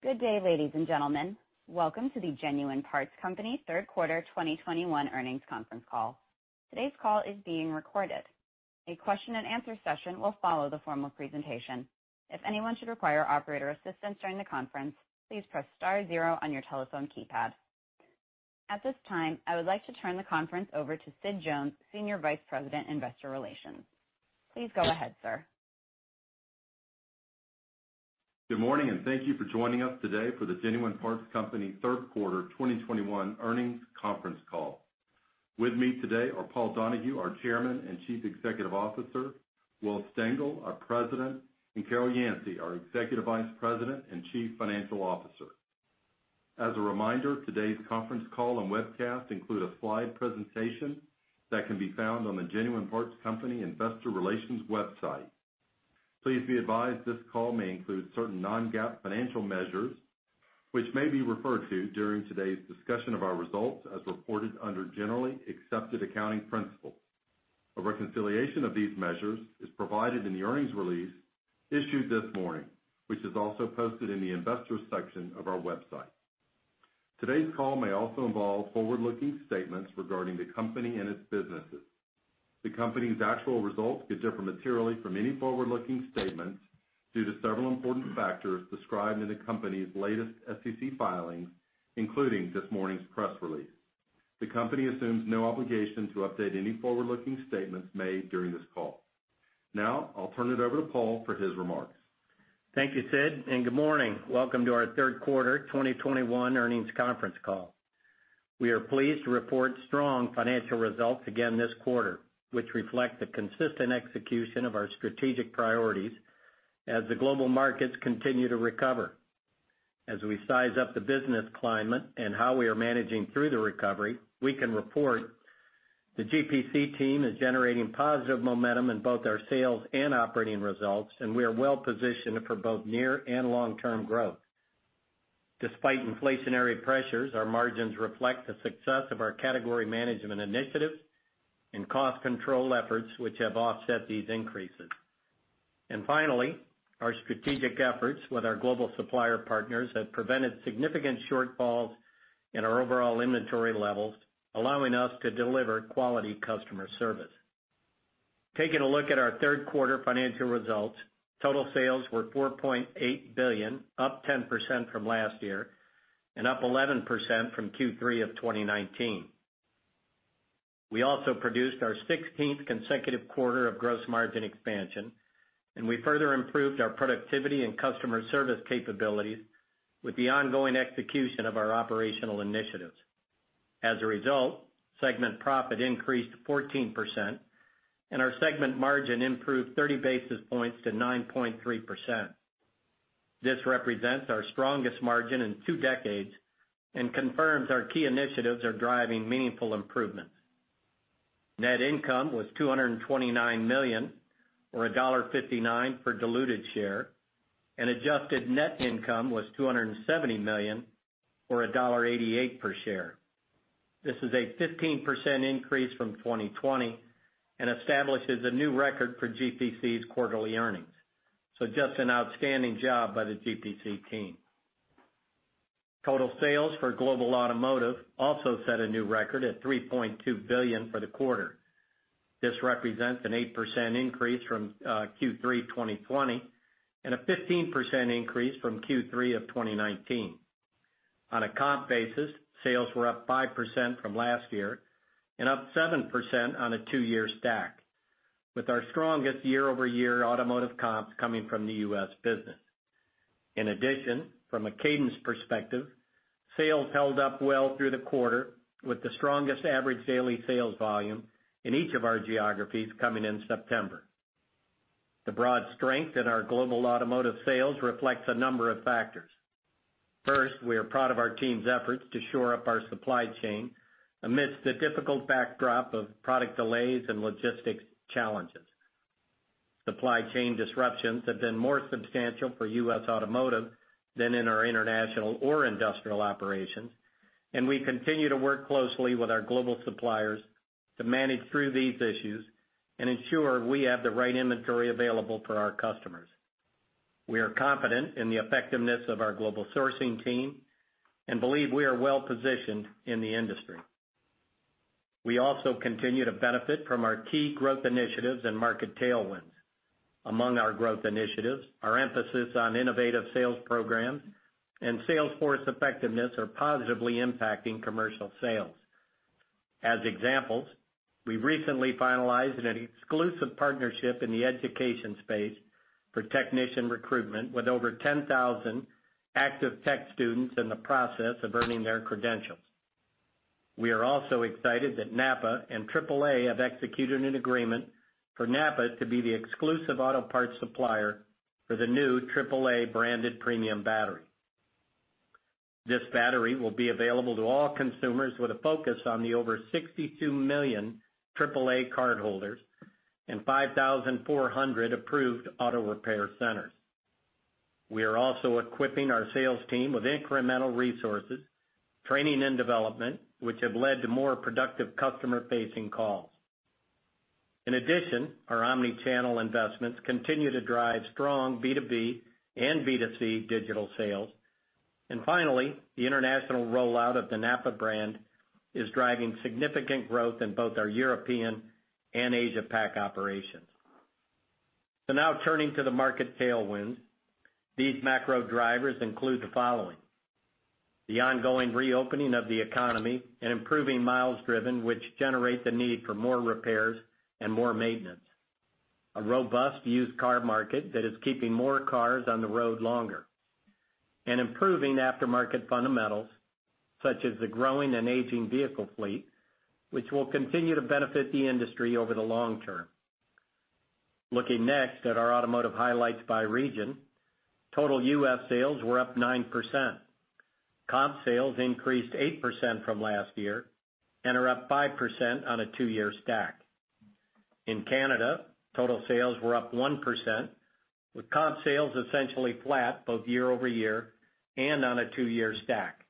Good day, ladies and gentlemen. Welcome to the Genuine Parts Company third quarter 2021 earnings conference call. Today's call is being recorded. A question and answer session will follow the formal presentation. If anyone should require operator assistance during the conference, please press star zero on your telephone keypad. At this time, I would like to turn the conference over to Sid Jones, Senior Vice President, Investor Relations. Please go ahead, sir. Good morning, and thank you for joining us today for the Genuine Parts Company third quarter 2021 earnings conference call. With me today are Paul Donahue, our Chairman and Chief Executive Officer, Will Stengel, our President, and Carol Yancey, our Executive Vice President and Chief Financial Officer. As a reminder, today's conference call and webcast include a slide presentation that can be found on the Genuine Parts Company investor relations website. Please be advised this call may include certain non-GAAP financial measures, which may be referred to during today's discussion of our results as reported under generally accepted accounting principles. A reconciliation of these measures is provided in the earnings release issued this morning, which is also posted in the investor section of our website. Today's call may also involve forward-looking statements regarding the company and its businesses. The company's actual results could differ materially from any forward-looking statements due to several important factors described in the company's latest SEC filings, including this morning's press release. The company assumes no obligation to update any forward-looking statements made during this call. Now, I'll turn it over to Paul for his remarks. Thank you, Sid, and good morning. Welcome to our third quarter 2021 earnings conference call. We are pleased to report strong financial results again this quarter, which reflect the consistent execution of our strategic priorities as the global markets continue to recover. As we size up the business climate and how we are managing through the recovery, we can report the GPC team is generating positive momentum in both our sales and operating results, and we are well-positioned for both near and long-term growth. Despite inflationary pressures, our margins reflect the success of our category management initiatives and cost control efforts, which have offset these increases. Finally, our strategic efforts with our global supplier partners have prevented significant shortfalls in our overall inventory levels, allowing us to deliver quality customer service. Taking a look at our third quarter financial results, total sales were $4.8 billion, up 10% from last year, and up 11% from Q3 of 2019. We also produced our 16th consecutive quarter of gross margin expansion, and we further improved our productivity and customer service capabilities with the ongoing execution of our operational initiatives. As a result, segment profit increased 14% and our segment margin improved 30 basis points to 9.3%. This represents our strongest margin in two decades and confirms our key initiatives are driving meaningful improvements. Net income was $229 million, or $1.59 per diluted share, and adjusted net income was $270 million, or $1.88 per share. This is a 15% increase from 2020 and establishes a new record for GPC's quarterly earnings. Just an outstanding job by the GPC team. Total sales for Global Automotive also set a new record at $3.2 billion for the quarter. This represents an 8% increase from Q3 2020 and a 15% increase from Q3 of 2019. On a comp basis, sales were up 5% from last year and up 7% on a two-year stack, with our strongest year-over-year automotive comps coming from the U.S. business. In addition, from a cadence perspective, sales held up well through the quarter, with the strongest average daily sales volume in each of our geographies coming in September. The broad strength in our Global Automotive sales reflects a number of factors. First, we are proud of our team's efforts to shore up our supply chain amidst the difficult backdrop of product delays and logistics challenges. Supply chain disruptions have been more substantial for U.S. Automotive than in our international or industrial operations, and we continue to work closely with our global suppliers to manage through these issues and ensure we have the right inventory available for our customers. We are confident in the effectiveness of our global sourcing team and believe we are well-positioned in the industry. We also continue to benefit from our key growth initiatives and market tailwinds. Among our growth initiatives, our emphasis on innovative sales programs and sales force effectiveness are positively impacting commercial sales. As examples, we recently finalized an exclusive partnership in the education space for technician recruitment with over 10,000 active tech students in the process of earning their credentials. We are also excited that NAPA and AAA have executed an agreement for NAPA to be the exclusive auto parts supplier for the new AAA-branded premium battery. This battery will be available to all consumers with a focus on the over 62 million AAA cardholders and 5,400 approved auto repair centers. We are also equipping our sales team with incremental resources, training, and development, which have led to more productive customer-facing calls. In addition, our omni-channel investments continue to drive strong B2B and B2C digital sales. Finally, the international rollout of the NAPA brand is driving significant growth in both our European and Asia-Pac operations. Now turning to the market tailwinds. These macro drivers include the following. The ongoing reopening of the economy and improving miles driven, which generate the need for more repairs and more maintenance. A robust used car market that is keeping more cars on the road longer. Improving aftermarket fundamentals, such as the growing and aging vehicle fleet, which will continue to benefit the industry over the long term. Looking next at our automotive highlights by region, total U.S. sales were up 9%. Comp sales increased 8% from last year and are up 5% on a two-year stack. In Canada, total sales were up 1%, with comp sales essentially flat both year-over-year and on a two-year stack,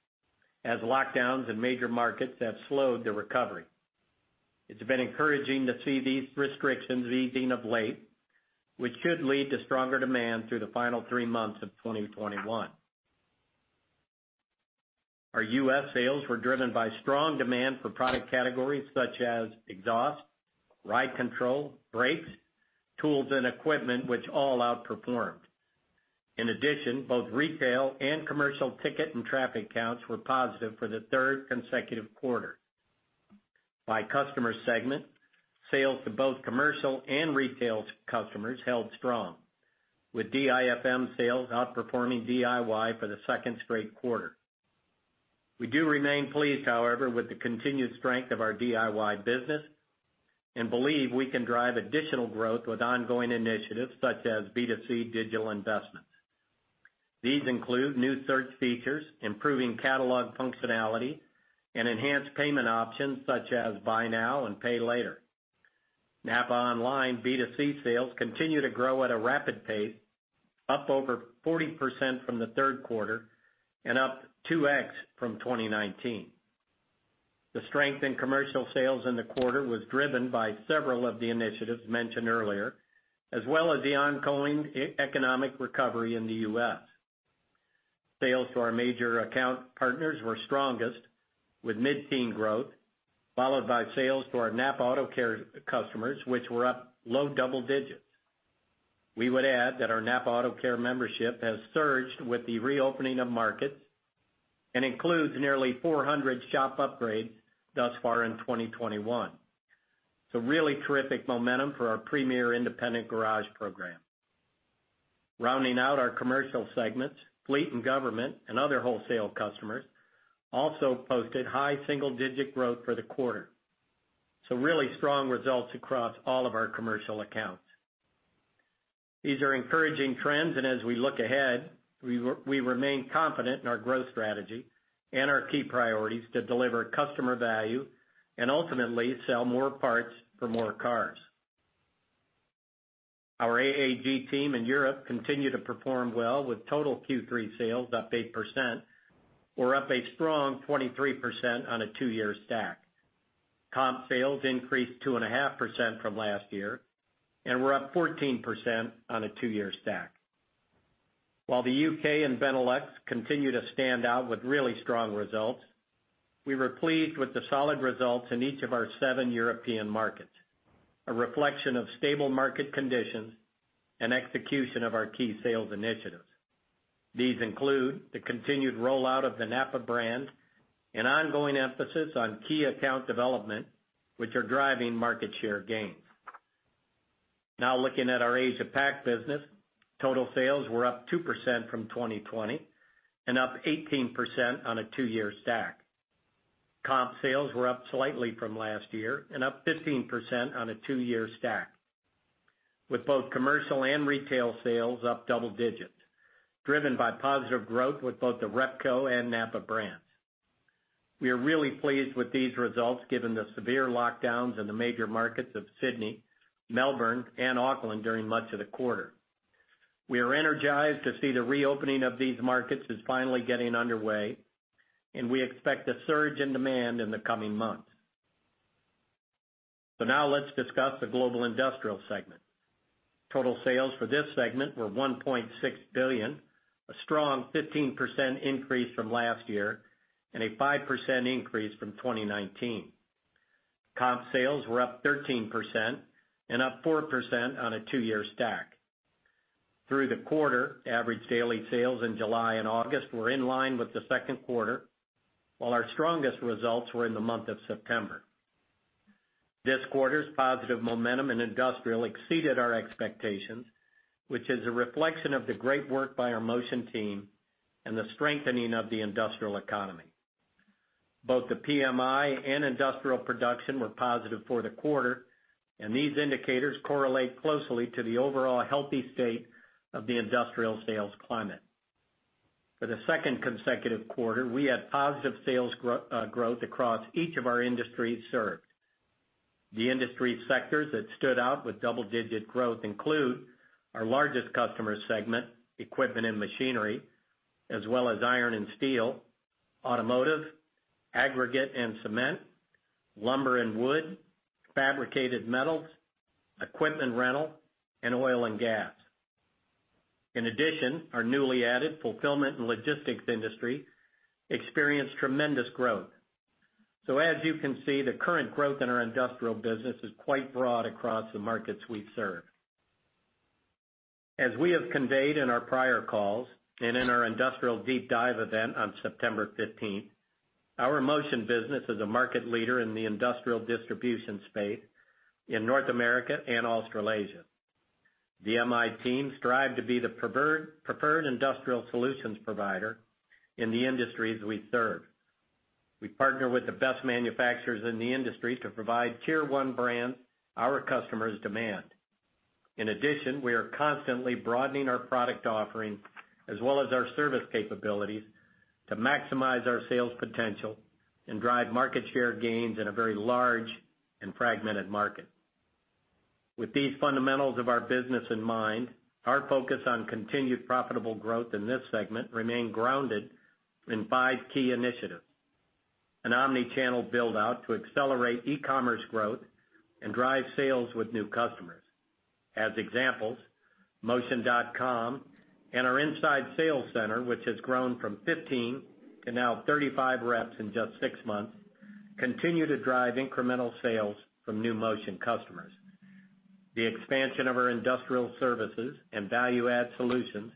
as lockdowns in major markets have slowed the recovery. It's been encouraging to see these restrictions easing of late, which could lead to stronger demand through the final three months of 2021. Our U.S. sales were driven by strong demand for product categories such as exhaust, ride control, brakes, tools and equipment, which all outperformed. In addition, both retail and commercial ticket and traffic counts were positive for the third consecutive quarter. By customer segment, sales to both commercial and retail customers held strong, with DIFM sales outperforming DIY for the second straight quarter. We do remain pleased, however, with the continued strength of our DIY business, and believe we can drive additional growth with ongoing initiatives such as B2C digital investments. These include new search features, improving catalog functionality, and enhanced payment options such as buy now and pay later. NAPA online B2C sales continue to grow at a rapid pace, up over 40% from the third quarter and up 2x from 2019. The strength in commercial sales in the quarter was driven by several of the initiatives mentioned earlier, as well as the ongoing economic recovery in the U.S. Sales to our major account partners were strongest with mid-teen growth, followed by sales to our NAPA AutoCare customers, which were up low double digits. We would add that our NAPA AutoCare membership has surged with the reopening of markets and includes nearly 400 shop upgrades thus far in 2021. Really terrific momentum for our premier independent garage program. Rounding out our commercial segments, fleet and government and other wholesale customers also posted high single-digit growth for the quarter. Really strong results across all of our commercial accounts. These are encouraging trends, and as we look ahead, we remain confident in our growth strategy and our key priorities to deliver customer value and ultimately sell more parts for more cars. Our AAG team in Europe continue to perform well with total Q3 sales up 8%, or up a strong 23% on a two-year stack. Comp sales increased 2.5% from last year and were up 14% on a two-year stack. While the U.K. and Benelux continue to stand out with really strong results, we were pleased with the solid results in each of our seven European markets, a reflection of stable market conditions and execution of our key sales initiatives. These include the continued rollout of the NAPA brand and ongoing emphasis on key account development, which are driving market share gains. Looking at our Asia-Pac business, total sales were up 2% from 2020 and up 18% on a two-year stack. Comp sales were up slightly from last year and up 15% on a two-year stack, with both commercial and retail sales up double digits, driven by positive growth with both the Repco and NAPA brands. We are really pleased with these results given the severe lockdowns in the major markets of Sydney, Melbourne and Auckland during much of the quarter. We are energized to see the reopening of these markets is finally getting underway, and we expect a surge in demand in the coming months. Now let's discuss the Global Industrial segment. Total sales for this segment were $1.6 billion, a strong 15% increase from last year and a 5% increase from 2019. Comp sales were up 13% and up 4% on a two-year stack. Through the quarter, average daily sales in July and August were in line with the second quarter, while our strongest results were in the month of September. This quarter's positive momentum in industrial exceeded our expectations, which is a reflection of the great work by our Motion team and the strengthening of the industrial economy. Both the PMI and industrial production were positive for the quarter, and these indicators correlate closely to the overall healthy state of the industrial sales climate. For the second consecutive quarter, we had positive sales growth across each of our industries served. The industry sectors that stood out with double-digit growth include our largest customer segment, equipment and machinery, as well as iron and steel, Automotive, aggregate and cement, lumber and wood, fabricated metals, equipment rental, and oil and gas. Our newly added fulfillment and logistics industry experienced tremendous growth. As you can see, the current growth in our industrial business is quite broad across the markets we serve. As we have conveyed in our prior calls, and in our industrial deep dive event on September 15th, our Motion business is a market leader in the industrial distribution space in North America and Australasia. The Motion team strive to be the preferred industrial solutions provider in the industries we serve. We partner with the best manufacturers in the industry to provide tier one brands our customers demand. In addition, we are constantly broadening our product offering as well as our service capabilities to maximize our sales potential and drive market share gains in a very large and fragmented market. With these fundamentals of our business in mind, our focus on continued profitable growth in this segment remain grounded in five key initiatives. An omni-channel build-out to accelerate e-commerce growth and drive sales with new customers. As examples, motion.com and our inside sales center, which has grown from 15 to now 35 reps in just six months, continue to drive incremental sales from new Motion customers. The expansion of our industrial services and value-add solutions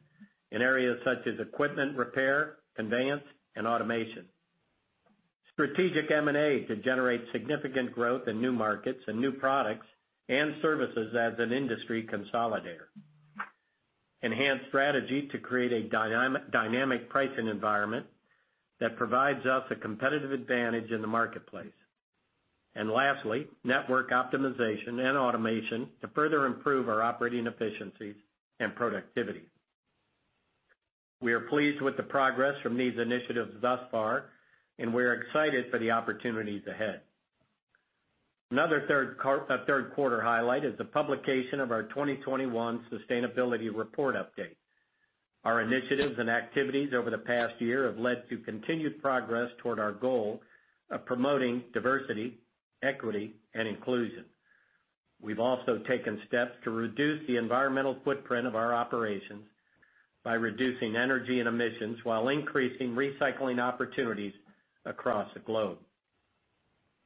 in areas such as equipment repair, conveyance, and automation. Strategic M&A to generate significant growth in new markets and new products and services as an industry consolidator. Enhanced strategy to create a dynamic pricing environment that provides us a competitive advantage in the marketplace. Lastly, network optimization and automation to further improve our operating efficiencies and productivity. We are pleased with the progress from these initiatives thus far, and we are excited for the opportunities ahead. Another third quarter highlight is the publication of our 2021 sustainability report update. Our initiatives and activities over the past year have led to continued progress toward our goal of promoting diversity, equity, and inclusion. We've also taken steps to reduce the environmental footprint of our operations by reducing energy and emissions while increasing recycling opportunities across the globe.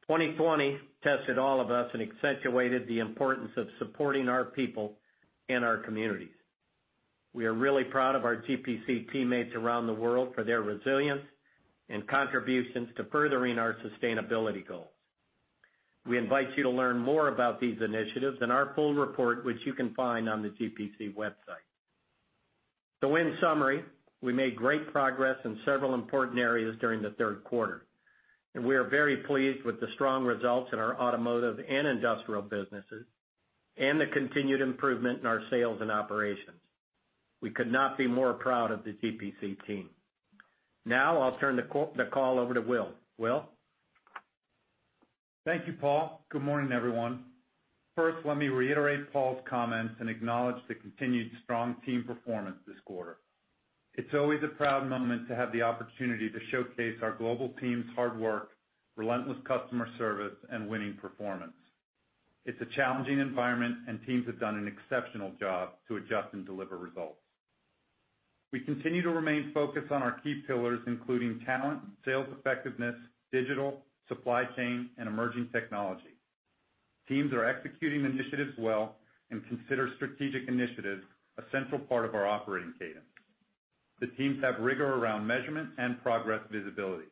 2020 tested all of us and accentuated the importance of supporting our people and our communities. We are really proud of our GPC teammates around the world for their resilience and contributions to furthering our sustainability goals. We invite you to learn more about these initiatives in our full report, which you can find on the GPC website. In summary, we made great progress in several important areas during the third quarter, and we are very pleased with the strong results in our Automotive and Industrial businesses and the continued improvement in our sales and operations. We could not be more proud of the GPC team. Now I'll turn the call over to Will. Will? Thank you, Paul. Good morning, everyone. First, let me reiterate Paul's comments and acknowledge the continued strong team performance this quarter. It's always a proud moment to have the opportunity to showcase our global team's hard work, relentless customer service, and winning performance. It's a challenging environment, and teams have done an exceptional job to adjust and deliver results. We continue to remain focused on our key pillars, including talent, sales effectiveness, digital, supply chain, and emerging technology. Teams are executing initiatives well and consider strategic initiatives a central part of our operating cadence. The teams have rigor around measurement and progress visibility.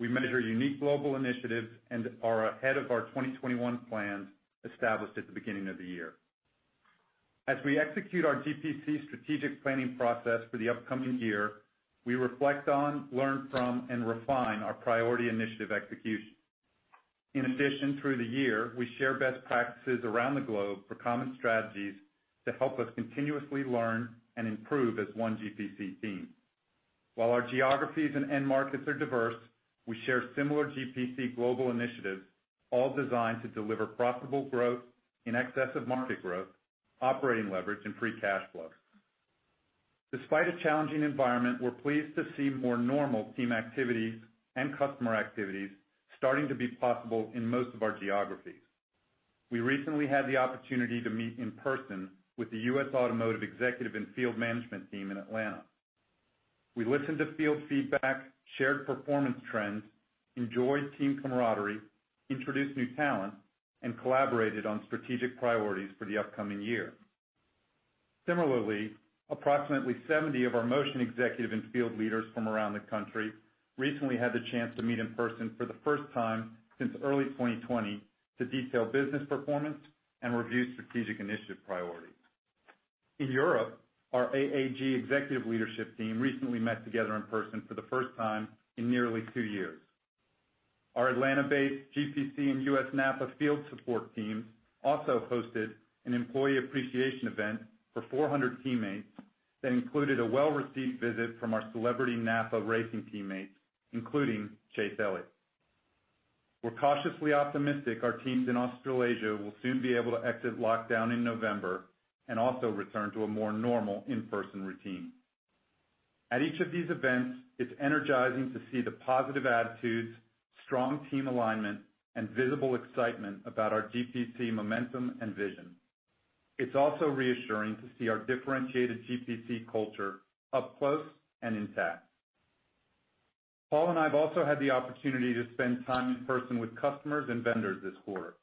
We measure unique global initiatives and are ahead of our 2021 plans established at the beginning of the year. As we execute our GPC strategic planning process for the upcoming year, we reflect on, learn from, and refine our priority initiative execution. In addition, through the year, we share best practices around the globe for common strategies to help us continuously learn and improve as one GPC team. While our geographies and end markets are diverse, we share similar GPC global initiatives, all designed to deliver profitable growth in excess of market growth, operating leverage, and free cash flow. Despite a challenging environment, we're pleased to see more normal team activities and customer activities starting to be possible in most of our geographies. We recently had the opportunity to meet in person with the U.S. Automotive executive and field management team in Atlanta. We listened to field feedback, shared performance trends, enjoyed team camaraderie, introduced new talent, and collaborated on strategic priorities for the upcoming year. Similarly, approximately 70 of our Motion executive and field leaders from around the country recently had the chance to meet in person for the first time since early 2020 to detail business performance and review strategic initiative priorities. In Europe, our AAG executive leadership team recently met together in person for the first time in nearly two years. Our Atlanta-based GPC and U.S. NAPA field support teams also hosted an employee appreciation event for 400 teammates that included a well-received visit from our celebrity NAPA racing teammates, including Chase Elliott. We're cautiously optimistic our teams in Australasia will soon be able to exit lockdown in November and also return to a more normal in-person routine. At each of these events, it's energizing to see the positive attitudes, strong team alignment, and visible excitement about our GPC momentum and vision. It's also reassuring to see our differentiated GPC culture up close and intact. Paul and I have also had the opportunity to spend time in person with customers and vendors this quarter.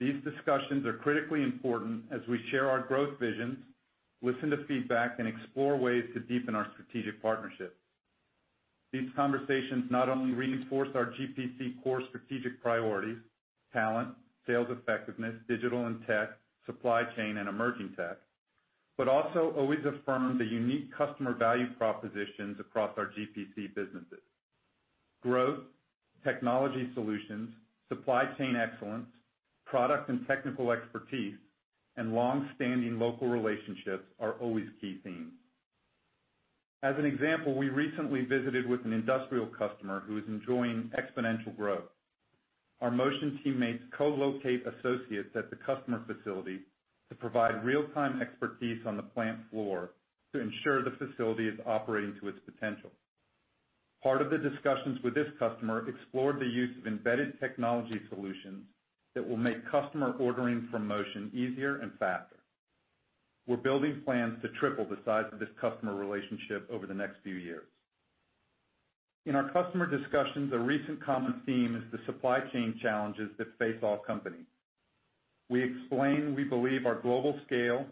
These discussions are critically important as we share our growth visions, listen to feedback, and explore ways to deepen our strategic partnerships. These conversations not only reinforce our GPC core strategic priorities, talent, sales effectiveness, digital and tech, supply chain, and emerging tech, but also always affirm the unique customer value propositions across our GPC businesses. Growth, technology solutions, supply chain excellence, product and technical expertise, and longstanding local relationships are always key themes. As an example, we recently visited with an industrial customer who is enjoying exponential growth. Our Motion teammates co-locate associates at the customer facility to provide real-time expertise on the plant floor to ensure the facility is operating to its potential. Part of the discussions with this customer explored the use of embedded technology solutions that will make customer ordering from Motion easier and faster. We're building plans to triple the size of this customer relationship over the next few years. In our customer discussions, a recent common theme is the supply chain challenges that face all companies. We explain we believe our global scale,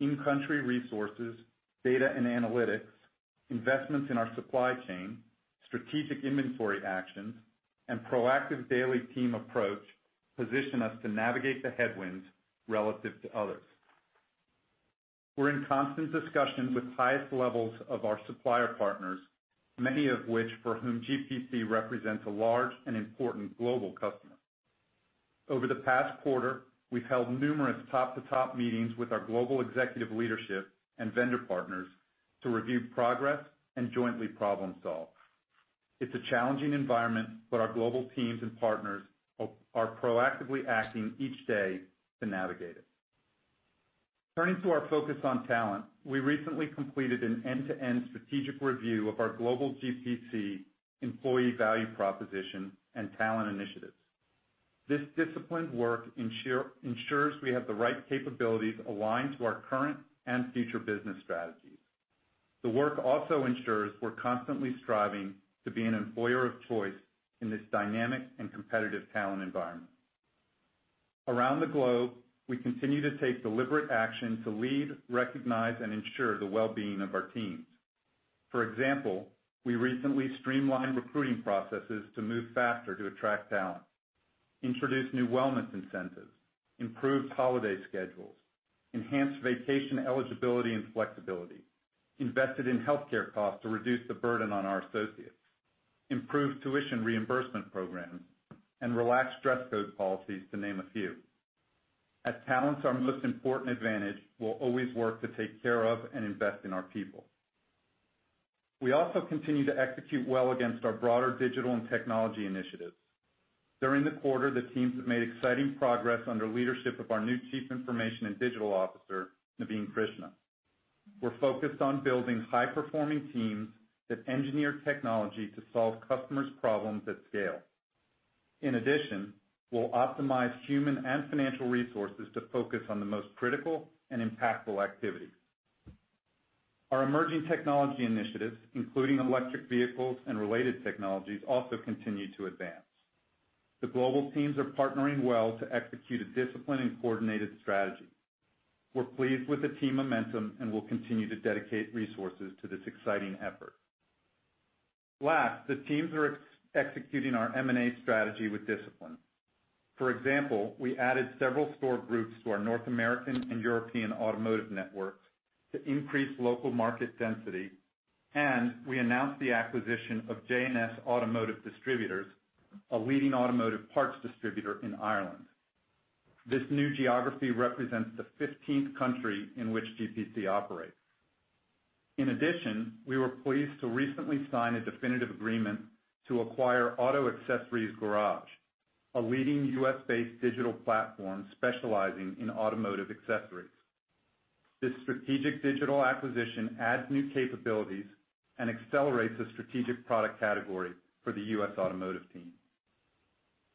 in-country resources, data and analytics, investments in our supply chain, strategic inventory actions, and proactive daily team approach position us to navigate the headwinds relative to others. We're in constant discussion with highest levels of our supplier partners, many of which for whom GPC represents a large and important global customer. Over the past quarter, we've held numerous top-to-top meetings with our global executive leadership and vendor partners to review progress and jointly problem solve. It's a challenging environment, but our global teams and partners are proactively acting each day to navigate it. Turning to our focus on talent, we recently completed an end-to-end strategic review of our global GPC employee value proposition and talent initiatives. This disciplined work ensures we have the right capabilities aligned to our current and future business strategies. The work also ensures we're constantly striving to be an employer of choice in this dynamic and competitive talent environment. Around the globe, we continue to take deliberate action to lead, recognize, and ensure the well-being of our teams. For example, we recently streamlined recruiting processes to move faster to attract talent, introduced new wellness incentives, improved holiday schedules, enhanced vacation eligibility and flexibility, invested in healthcare costs to reduce the burden on our associates, improved tuition reimbursement programs, and relaxed dress code policies, to name a few. As talents are our most important advantage, we'll always work to take care of and invest in our people. We also continue to execute well against our broader digital and technology initiatives. During the quarter, the teams have made exciting progress under leadership of our new Chief Information and Digital Officer, Naveen Krishna. We're focused on building high-performing teams that engineer technology to solve customers' problems at scale. In addition, we'll optimize human and financial resources to focus on the most critical and impactful activities. Our emerging technology initiatives, including electric vehicles and related technologies, also continue to advance. The global teams are partnering well to execute a disciplined and coordinated strategy. We're pleased with the team momentum, and we'll continue to dedicate resources to this exciting effort. Last, the teams are executing our M&A strategy with discipline. For example, we added several store groups to our North American and European automotive networks to increase local market density. We announced the acquisition of J&S Automotive Distributors, a leading automotive parts distributor in Ireland. This new geography represents the 15th country in which GPC operates. In addition, we were pleased to recently sign a definitive agreement to acquire Auto Accessories Garage, a leading U.S.-based digital platform specializing in automotive accessories. This strategic digital acquisition adds new capabilities and accelerates a strategic product category for the U.S. Automotive team.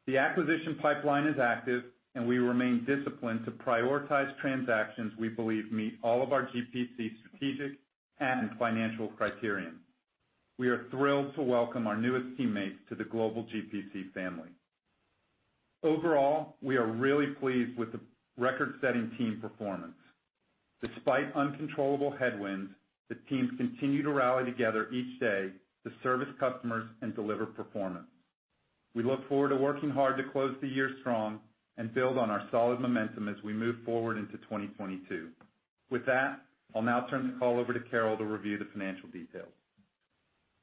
The acquisition pipeline is active. We remain disciplined to prioritize transactions we believe meet all of our GPC strategic and financial criterion. We are thrilled to welcome our newest teammates to the global GPC family. Overall, we are really pleased with the record-setting team performance. Despite uncontrollable headwinds, the teams continue to rally together each day to service customers and deliver performance. We look forward to working hard to close the year strong and build on our solid momentum as we move forward into 2022. With that, I'll now turn the call over to Carol to review the financial details.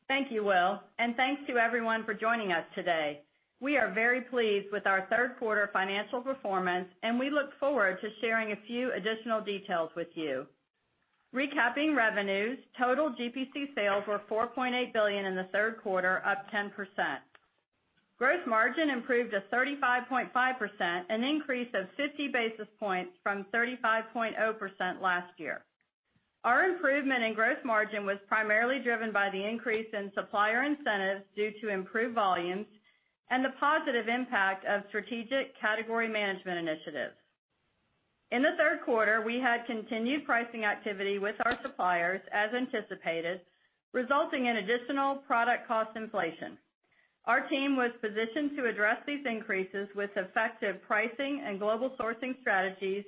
Thank you, Will, and thanks to everyone for joining us today. We are very pleased with our third quarter financial performance, and we look forward to sharing a few additional details with you. Recapping revenues, total GPC sales were $4.8 billion in the third quarter, up 10%. Gross margin improved to 35.5%, an increase of 50 basis points from 35.0% last year. Our improvement in gross margin was primarily driven by the increase in supplier incentives due to improved volumes and the positive impact of strategic category management initiatives. In the third quarter, we had continued pricing activity with our suppliers as anticipated, resulting in additional product cost inflation. Our team was positioned to address these increases with effective pricing and global sourcing strategies,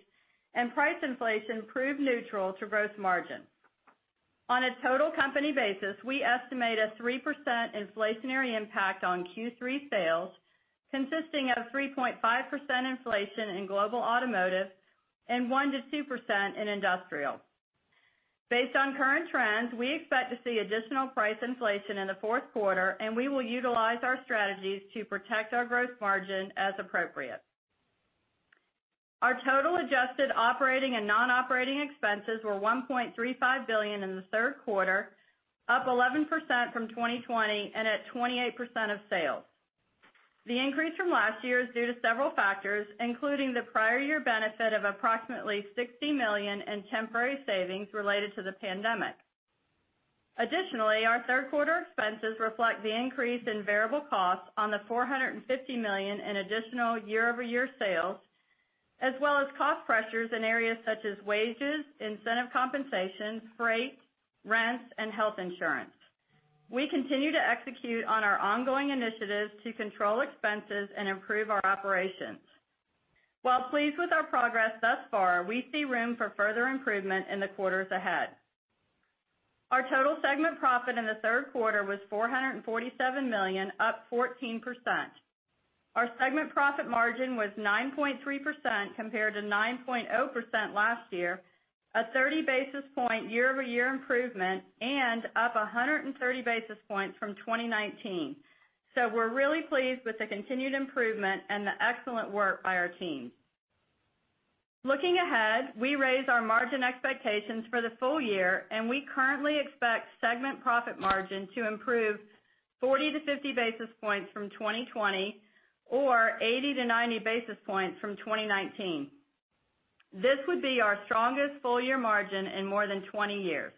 and price inflation proved neutral to gross margin. On a total company basis, we estimate a 3% inflationary impact on Q3 sales, consisting of 3.5% inflation in Global Automotive and 1%-2% in industrial. Based on current trends, we expect to see additional price inflation in the fourth quarter, and we will utilize our strategies to protect our gross margin as appropriate. Our total adjusted operating and non-operating expenses were $1.35 billion in the third quarter, up 11% from 2020 and at 28% of sales. The increase from last year is due to several factors, including the prior year benefit of approximately $60 million in temporary savings related to the pandemic. Additionally, our third quarter expenses reflect the increase in variable costs on the $450 million in additional year-over-year sales, as well as cost pressures in areas such as wages, incentive compensation, freight, rents, and health insurance. We continue to execute on our ongoing initiatives to control expenses and improve our operations. While pleased with our progress thus far, we see room for further improvement in the quarters ahead. Our total segment profit in the third quarter was $447 million, up 14%. Our segment profit margin was 9.3% compared to 9.0% last year, a 30 basis point year-over-year improvement, and up 130 basis points from 2019. We're really pleased with the continued improvement and the excellent work by our team. Looking ahead, we raised our margin expectations for the full year, and we currently expect segment profit margin to improve 40-50 basis points from 2020, or 80-90 basis points from 2019. This would be our strongest full year margin in more than 20 years.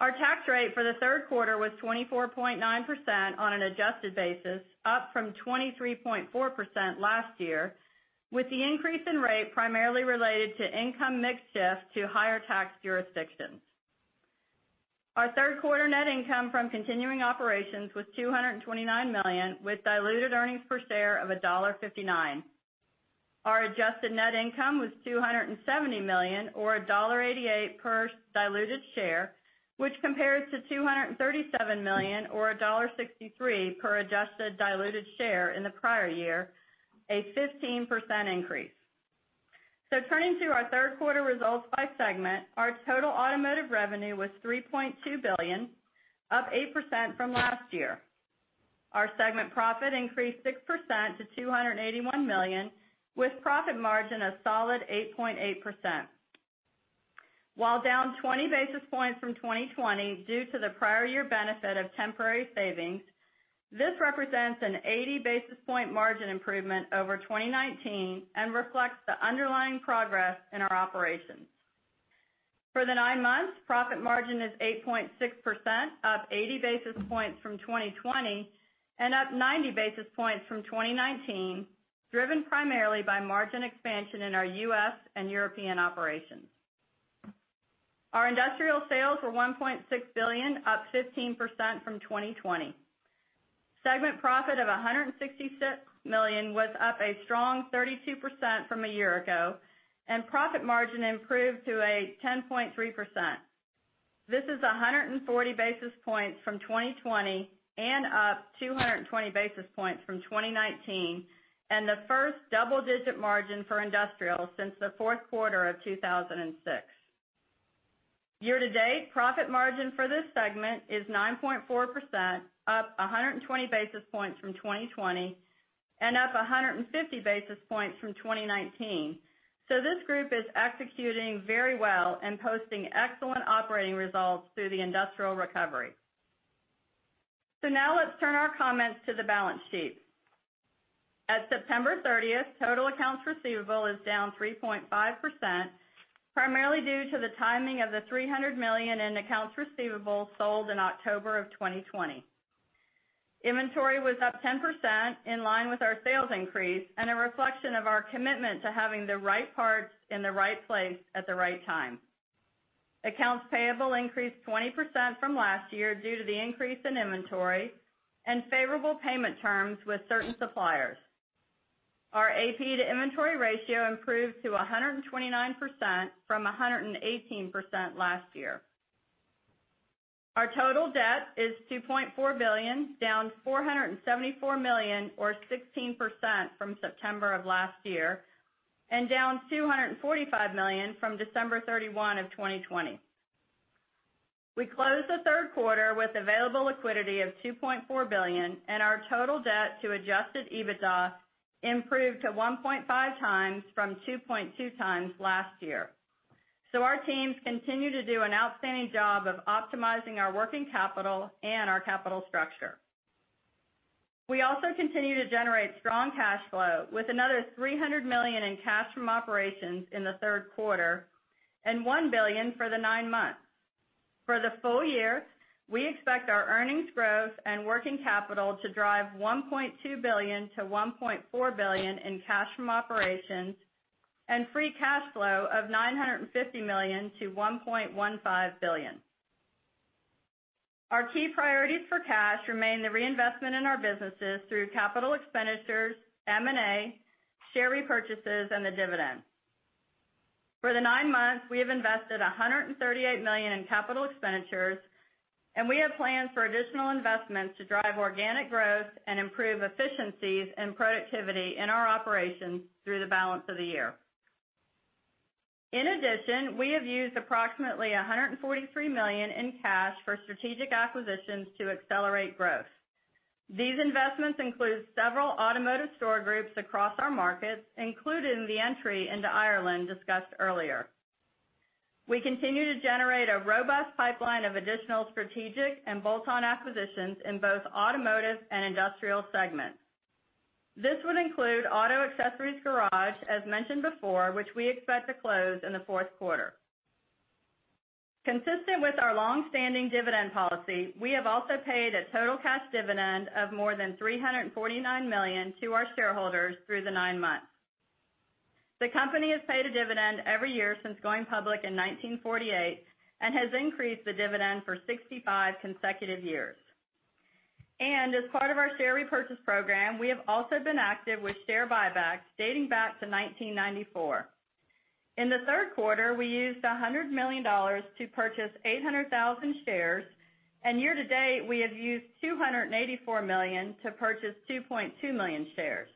Our tax rate for the third quarter was 24.9% on an adjusted basis, up from 23.4% last year, with the increase in rate primarily related to income mix shift to higher tax jurisdictions. Our third quarter net income from continuing operations was $229 million, with diluted earnings per share of $1.59. Our adjusted net income was $270 million, or $1.88 per diluted share, which compares to $237 million or $1.63 per adjusted diluted share in the prior year, a 15% increase. Turning to our third quarter results by segment, our total automotive revenue was $3.2 billion, up 8% from last year. Our segment profit increased 6% to $281 million with profit margin a solid 8.8%. While down 20 basis points from 2020 due to the prior year benefit of temporary savings, this represents an 80 basis point margin improvement over 2019 and reflects the underlying progress in our operations. For the nine months, profit margin is 8.6%, up 80 basis points from 2020 and up 90 basis points from 2019, driven primarily by margin expansion in our U.S. and European operations. Our Industrial sales were $1.6 billion, up 15% from 2020. Segment profit of $166 million was up a strong 32% from a year ago, and profit margin improved to a 10.3%. This is 140 basis points from 2020 and up 220 basis points from 2019, and the first double-digit margin for Industrial since the fourth quarter of 2006. Year-to-date profit margin for this segment is 9.4%, up 120 basis points from 2020 and up 150 basis points from 2019. This group is executing very well and posting excellent operating results through the Industrial recovery. Now let's turn our comments to the balance sheet. At September 30th, total accounts receivable is down 3.5%, primarily due to the timing of the $300 million in accounts receivable sold in October of 2020. Inventory was up 10%, in line with our sales increase and a reflection of our commitment to having the right parts in the right place at the right time. Accounts payable increased 20% from last year due to the increase in inventory and favorable payment terms with certain suppliers. Our AP to inventory ratio improved to 129% from 118% last year. Our total debt is $2.4 billion, down $474 million or 16% from September of last year, and down $245 million from December 31 of 2020. We closed the third quarter with available liquidity of $2.4 billion and our total debt to adjusted EBITDA improved to 1.5x from 2.2x last year. Our teams continue to do an outstanding job of optimizing our working capital and our capital structure. We also continue to generate strong cash flow with another $300 million in cash from operations in the third quarter and $1 billion for the nine months. For the full year, we expect our earnings growth and working capital to drive $1.2 billion-$1.4 billion in cash from operations and free cash flow of $950 million-$1.15 billion. Our key priorities for cash remain the reinvestment in our businesses through capital expenditures, M&A, share repurchases, and the dividend. For the nine months, we have invested $138 million in capital expenditures, and we have plans for additional investments to drive organic growth and improve efficiencies and productivity in our operations through the balance of the year. In addition, we have used approximately $143 million in cash for strategic acquisitions to accelerate growth. These investments include several automotive store groups across our markets, including the entry into Ireland discussed earlier. We continue to generate a robust pipeline of additional strategic and bolt-on acquisitions in both automotive and industrial segments. This would include Auto Accessories Garage, as mentioned before, which we expect to close in the fourth quarter. Consistent with our longstanding dividend policy, we have also paid a total cash dividend of more than $349 million to our shareholders through the nine months. The company has paid a dividend every year since going public in 1948 and has increased the dividend for 65 consecutive years. As part of our share repurchase program, we have also been active with share buybacks dating back to 1994. In the third quarter, we used $100 million to purchase 800,000 shares, and year-to-date, we have used $284 million to purchase 2.2 million shares.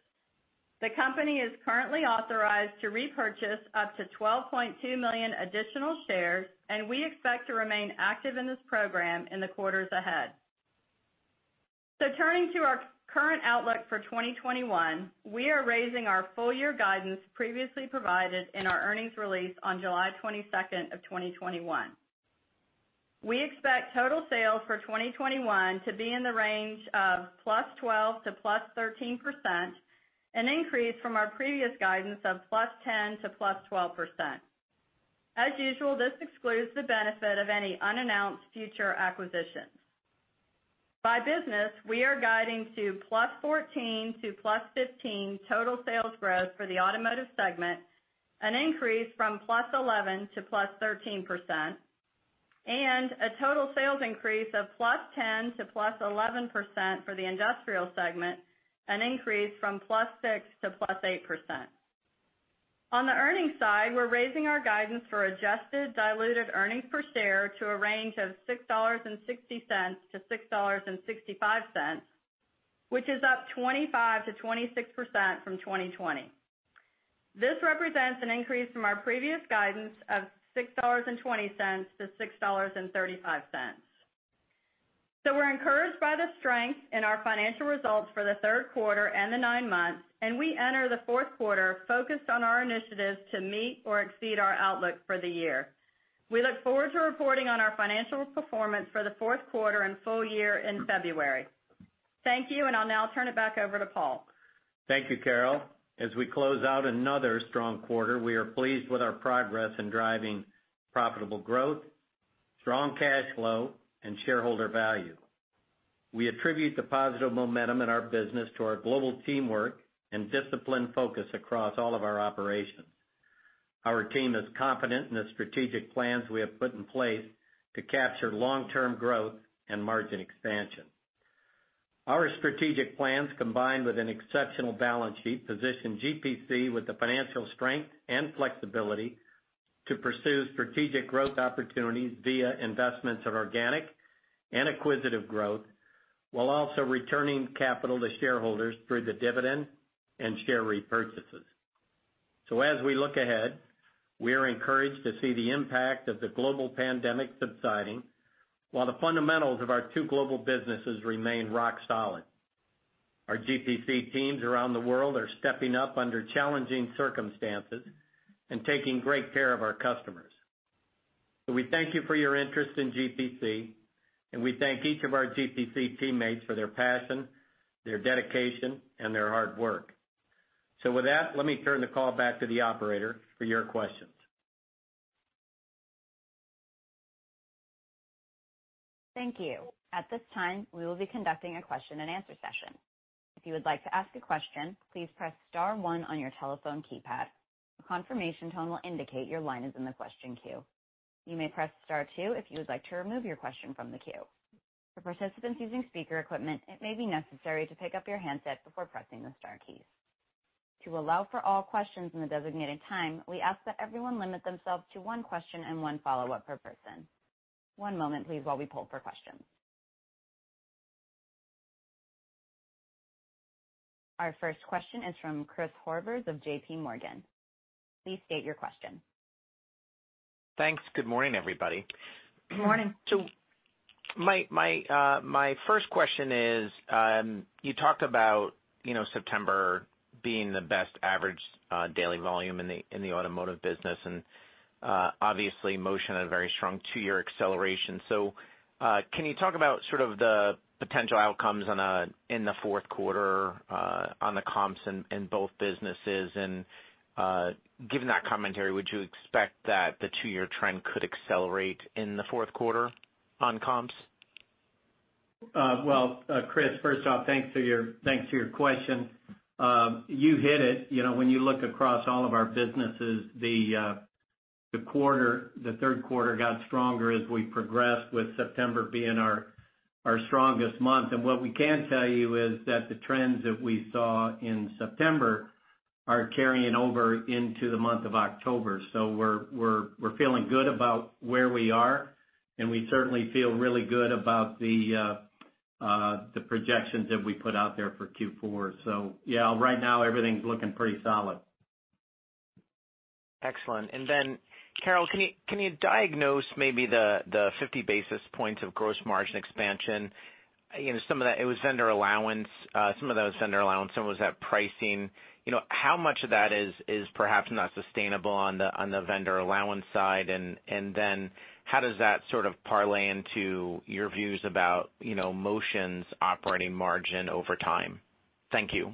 The company is currently authorized to repurchase up to 12.2 million additional shares, and we expect to remain active in this program in the quarters ahead. Turning to our current outlook for 2021, we are raising our full year guidance previously provided in our earnings release on July 22nd of 2021. We expect total sales for 2021 to be in the range of +12% to +13%, an increase from our previous guidance of +10% to +12%. As usual, this excludes the benefit of any unannounced future acquisitions. By business, we are guiding to +14% to +15% total sales growth for the automotive segment, an increase from +11% to +13%, and a total sales increase of +10% to +11% for the industrial segment, an increase from +6% to +8%. On the earnings side, we're raising our guidance for adjusted diluted earnings per share to a range of $6.60-$6.65, which is up 25%-26% from 2020. This represents an increase from our previous guidance of $6.20-$6.35. We're encouraged by the strength in our financial results for the third quarter and the nine months, and we enter the fourth quarter focused on our initiatives to meet or exceed our outlook for the year. We look forward to reporting on our financial performance for the fourth quarter and full year in February. Thank you, and I'll now turn it back over to Paul. Thank you, Carol. As we close out another strong quarter, we are pleased with our progress in driving profitable growth, strong cash flow, and shareholder value. We attribute the positive momentum in our business to our global teamwork and disciplined focus across all of our operations. Our team is confident in the strategic plans we have put in place to capture long-term growth and margin expansion. Our strategic plans, combined with an exceptional balance sheet, position GPC with the financial strength and flexibility to pursue strategic growth opportunities via investments of organic and acquisitive growth while also returning capital to shareholders through the dividend and share repurchases. As we look ahead, we are encouraged to see the impact of the global pandemic subsiding while the fundamentals of our two global businesses remain rock solid. Our GPC teams around the world are stepping up under challenging circumstances and taking great care of our customers. We thank you for your interest in GPC, and we thank each of our GPC teammates for their passion, their dedication, and their hard work. With that, let me turn the call back to the operator for your questions. Thank you. At this time, we will be conducting a question and answer session. If you would like to ask a question, please press star one on your telephone keypad. A confirmation tone will indicate your line is in the question queue. You may press star two if you would like to remove your question from the queue. For participants using speaker equipment, it may be necessary to pick up your handset before pressing the star keys. To allow for all questions in the designated time, we ask that everyone limit themselves to one question and one follow-up per person. One moment, please, while we poll for questions. Our first question is from Chris Horvers of JPMorgan. Please state your question. Thanks. Good morning, everybody. Good morning. My first question is, you talked about September being the best average daily volume in the automotive business, and obviously Motion had a very strong two-year acceleration. Can you talk about sort of the potential outcomes in the fourth quarter on the comps in both businesses? Given that commentary, would you expect that the two-year trend could accelerate in the fourth quarter on comps? Well, Chris, first off, thanks for your question. You hit it. When you look across all of our businesses, the third quarter got stronger as we progressed, with September being our strongest month. What we can tell you is that the trends that we saw in September are carrying over into the month of October. We're feeling good about where we are, and we certainly feel really good about the projections that we put out there for Q4. Yeah, right now everything's looking pretty solid. Excellent. Then Carol, can you diagnose maybe the 50 basis points of gross margin expansion? Some of that was vendor allowance. Some was that pricing. How much of that is perhaps not sustainable on the vendor allowance side, then how does that sort of parlay into your views about Motion's operating margin over time? Thank you.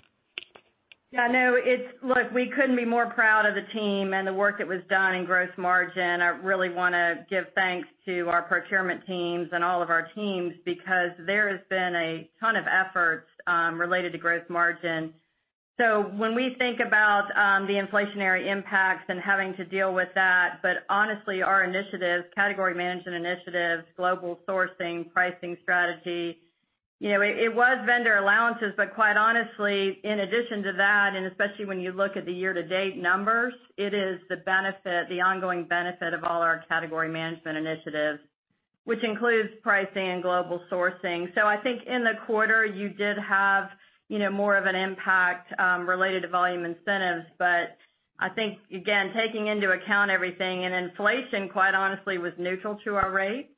Yeah, no, look, we couldn't be more proud of the team and the work that was done in gross margin. I really want to give thanks to our procurement teams and all of our teams, because there has been a ton of efforts related to gross margin. When we think about the inflationary impacts and having to deal with that, but honestly, our initiatives, category management initiatives, global sourcing, pricing strategy, it was vendor allowances. Quite honestly, in addition to that, and especially when you look at the year-to-date numbers, it is the ongoing benefit of all our category management initiatives, which includes pricing and global sourcing. I think in the quarter, you did have more of an impact related to volume incentives. I think, again, taking into account everything, and inflation, quite honestly, was neutral to our rate.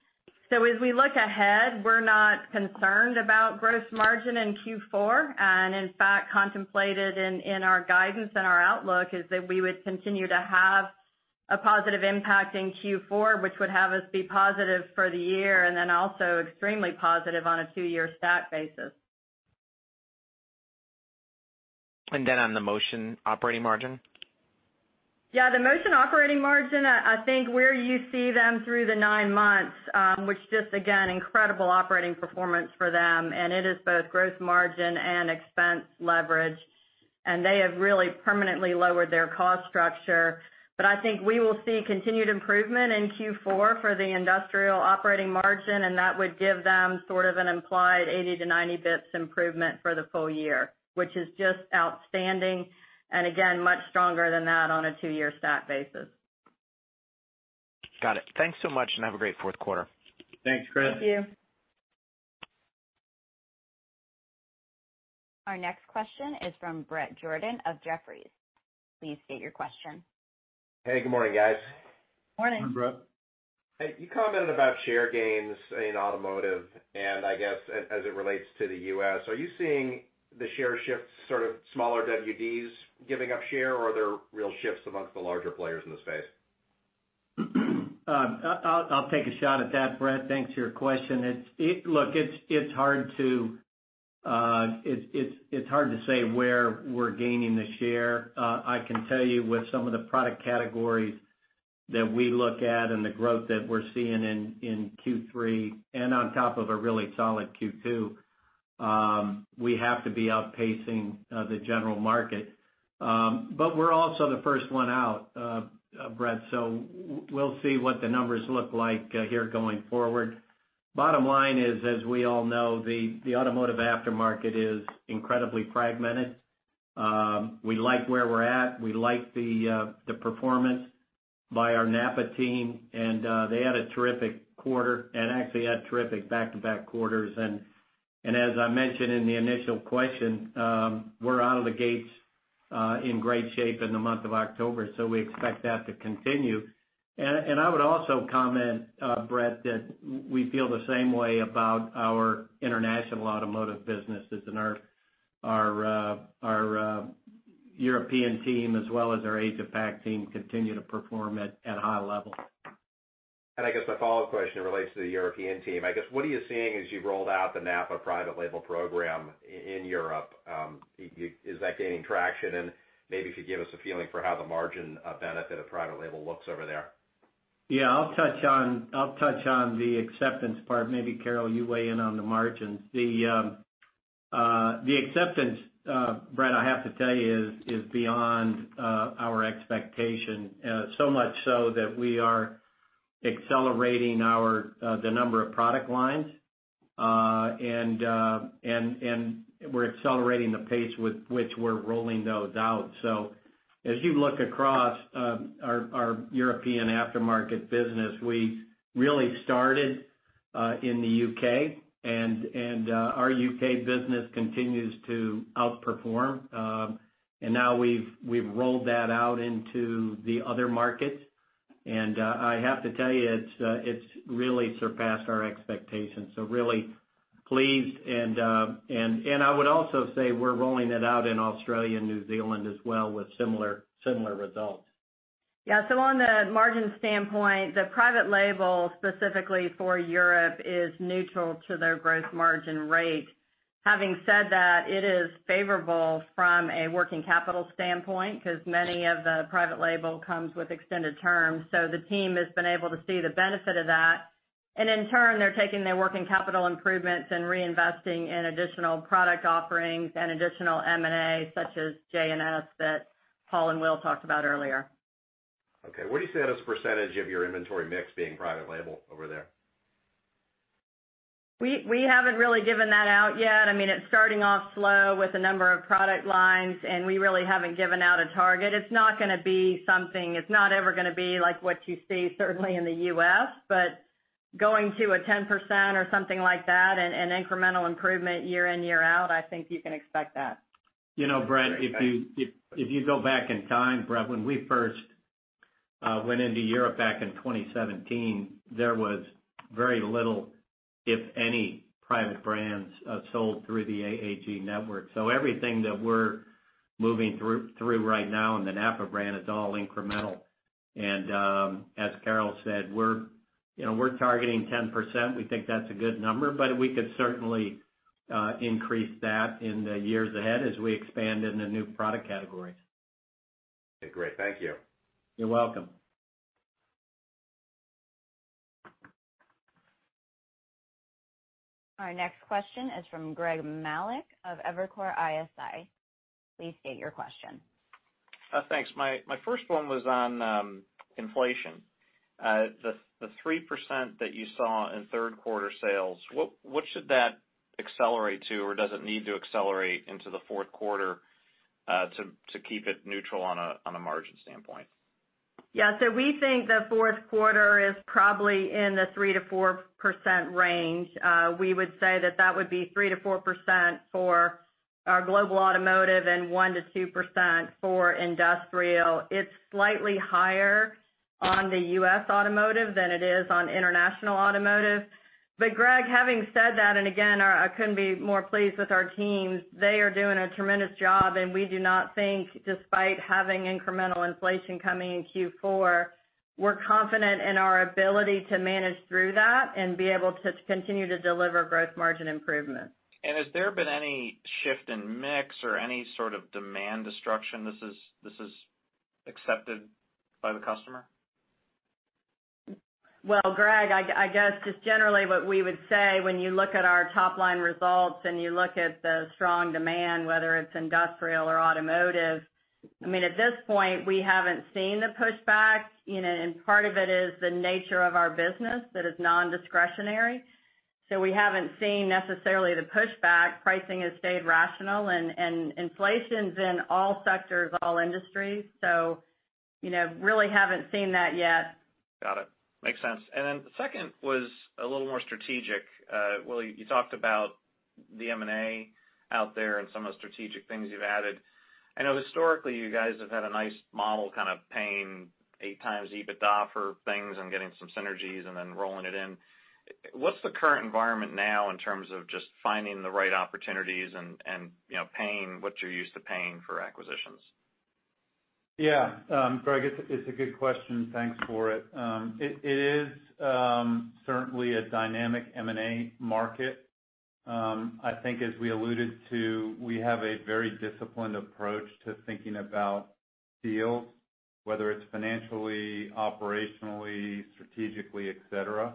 As we look ahead, we're not concerned about gross margin in Q4, and in fact, contemplated in our guidance and our outlook is that we would continue to have a positive impact in Q4, which would have us be positive for the year, and then also extremely positive on a two-year stack basis. On the Motion operating margin? Yeah, the Motion operating margin, I think where you see them through the nine months, which just again, incredible operating performance for them, and it is both gross margin and expense leverage. They have really permanently lowered their cost structure. I think we will see continued improvement in Q4 for the industrial operating margin, and that would give them sort of an implied 80-90 basis points improvement for the full year, which is just outstanding, and again, much stronger than that on a two-year stack basis. Got it. Thanks so much, and have a great fourth quarter. Thanks, Chris. Thank you. Our next question is from Bret Jordan of Jefferies. Please state your question. Hey, good morning, guys. Morning. Morning, Bret. Hey, you commented about share gains in automotive, and I guess as it relates to the U.S. Are you seeing the share shifts sort of smaller WDs giving up share, or are there real shifts amongst the larger players in the space? I'll take a shot at that, Bret. Thanks for your question. Look, it's hard to say where we're gaining the share. I can tell you with some of the product categories that we look at and the growth that we're seeing in Q3 and on top of a really solid Q2, we have to be outpacing the general market. We're also the first one out, Bret, so we'll see what the numbers look like here going forward. Bottom line is, as we all know, the automotive aftermarket is incredibly fragmented. We like where we're at. We like the performance by our NAPA team, and they had a terrific quarter and actually had terrific back-to-back quarters. As I mentioned in the initial question, we're out of the gates in great shape in the month of October, so we expect that to continue. I would also comment, Bret, that we feel the same way about our international automotive businesses and our European team, as well as our GPC Asia Pacific team, continue to perform at a high level. I guess a follow-up question relates to the European team. I guess, what are you seeing as you've rolled out the NAPA private label program in Europe? Is that gaining traction? Maybe if you give us a feeling for how the margin benefit of private label looks over there. Yeah, I'll touch on the acceptance part. Maybe Carol, you weigh in on the margins. The acceptance, Bret, I have to tell you, is beyond our expectation. Much so that we are accelerating the number of product lines, and we're accelerating the pace with which we're rolling those out. As you look across our European aftermarket business, we really started In the U.K., our U.K. business continues to outperform. Now we've rolled that out into the other markets. I have to tell you, it's really surpassed our expectations. Really pleased. I would also say we're rolling it out in Australia and New Zealand as well with similar results. On the margin standpoint, the private label specifically for Europe is neutral to their gross margin rate. Having said that, it is favorable from a working capital standpoint because many of the private label comes with extended terms. The team has been able to see the benefit of that, and in turn, they're taking their working capital improvements and reinvesting in additional product offerings and additional M&A such as J&S that Paul and Will talked about earlier. Okay. What do you say as a percentage of your inventory mix being private label over there? We haven't really given that out yet. It's starting off slow with a number of product lines, and we really haven't given out a target. It's not ever going to be like what you see certainly in the U.S., but going to a 10% or something like that and incremental improvement year in, year out, I think you can expect that. Bret, if you go back in time, when we first went into Europe back in 2017, there was very little, if any, private brands sold through the AAG network. Everything that we're moving through right now in the NAPA brand is all incremental. As Carol said, we're targeting 10%. We think that's a good number, we could certainly increase that in the years ahead as we expand into new product categories. Okay, great. Thank you. You're welcome. Our next question is from Greg Melich of Evercore ISI. Please state your question. Thanks. My first one was on inflation. The 3% that you saw in third quarter sales, what should that accelerate to, or does it need to accelerate into the fourth quarter, to keep it neutral on a margin standpoint? We think the fourth quarter is probably in the 3%-4% range. We would say that that would be 3%-4% for our Global Automotive and 1%-2% for industrial. It's slightly higher on the U.S. Automotive than it is on international automotive. Greg, having said that, and again, I couldn't be more pleased with our teams. They are doing a tremendous job, and we do not think, despite having incremental inflation coming in Q4, we're confident in our ability to manage through that and be able to continue to deliver gross margin improvements. Has there been any shift in mix or any sort of demand destruction this is accepted by the customer? Well, Greg, I guess just generally what we would say when you look at our top-line results and you look at the strong demand, whether it's industrial or automotive, at this point, we haven't seen the pushback. Part of it is the nature of our business that is non-discretionary. We haven't seen necessarily the pushback. Pricing has stayed rational and inflation's in all sectors, all industries. Really haven't seen that yet. Got it. Makes sense. The second was a little more strategic. Will, you talked about the M&A out there and some of the strategic things you've added. I know historically you guys have had a nice model kind of paying 8x EBITDA for things and getting some synergies and then rolling it in. What's the current environment now in terms of just finding the right opportunities and paying what you're used to paying for acquisitions? Yeah. Greg, it's a good question. Thanks for it. It is certainly a dynamic M&A market. I think as we alluded to, we have a very disciplined approach to thinking about deals, whether it's financially, operationally, strategically, et cetera.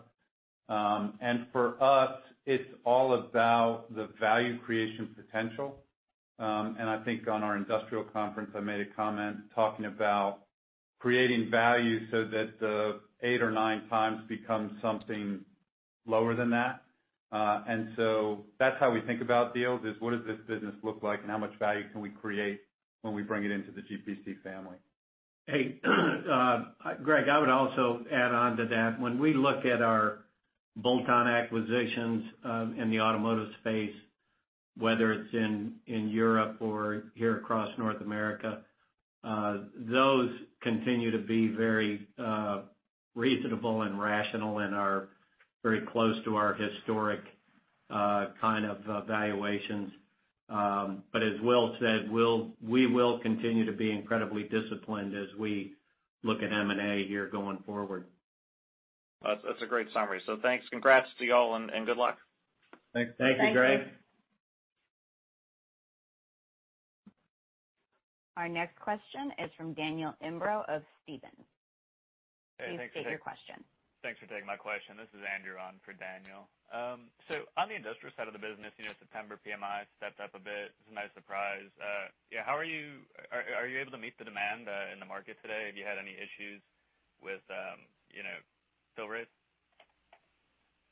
For us, it's all about the value creation potential. I think on our industrial conference, I made a comment talking about creating value so that the 8x or 9x becomes something lower than that. That's how we think about deals, is what does this business look like and how much value can we create when we bring it into the GPC family? Hey, Greg, I would also add on to that. When we look at our bolt-on acquisitions in the automotive space, whether it's in Europe or here across North America, those continue to be very reasonable and rational and are very close to our historic kind of valuations. As Will said, we will continue to be incredibly disciplined as we look at M&A here going forward. That's a great summary. Thanks. Congrats to you all, and good luck. Thank you, Greg. Thank you. Our next question is from Daniel Imbro of Stephens. Please state your question. Thanks for taking my question. This is Andrew on for Daniel. On the industrial side of the business, September PMI stepped up a bit. It was a nice surprise. Are you able to meet the demand in the market today? Have you had any issues with fill rates?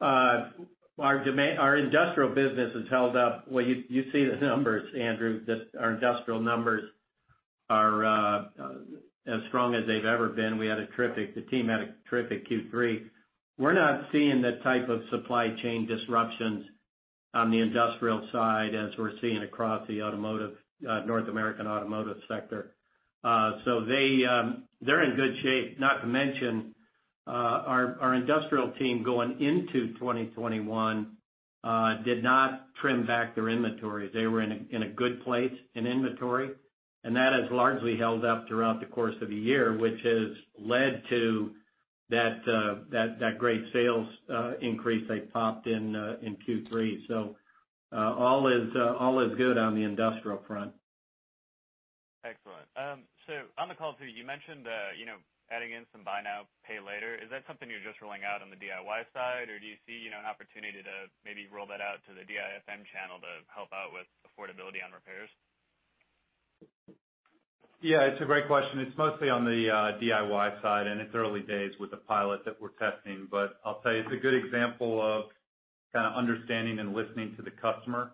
Our industrial business has held up. Well, you see the numbers, Andrew, our industrial numbers are as strong as they've ever been. The team had a terrific Q3. We're not seeing the type of supply chain disruptions on the industrial side as we're seeing across the North American automotive sector. They're in good shape. Not to mention, our industrial team going into 2021 did not trim back their inventory. They were in a good place in inventory, and that has largely held up throughout the course of the year, which has led to that great sales increase they popped in in Q3. All is good on the industrial front. Excellent. On the call too, you mentioned adding in some buy now, pay later. Is that something you're just rolling out on the DIY side, or do you see an opportunity to maybe roll that out to the DIFM channel to help out with affordability on repairs? Yeah, it's a great question. It's mostly on the DIY side, and it's early days with the pilot that we're testing. I'll tell you, it's a good example of kind of understanding and listening to the customer